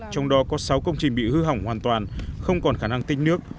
trong đó có sáu công trình bị hư hỏng hoàn toàn không còn khả năng tích nước